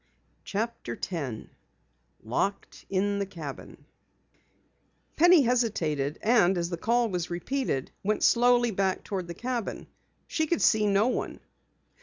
CHAPTER 10 LOCKED IN THE CABIN Penny hesitated, and as the call was repeated, went slowly back toward the cabin. She could see no one.